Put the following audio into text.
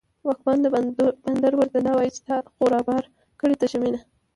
واکمن د بندر ورته دا وايي، چې دا تا خو رابار کړې تشه مینه